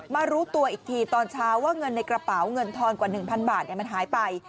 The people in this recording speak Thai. รู้ตัวอีกทีตอนเช้าว่าเงินในกระเป๋าเงินทอนกว่า๑๐๐บาทมันหายไป